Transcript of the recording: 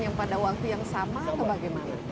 yang pada waktu yang sama atau bagaimana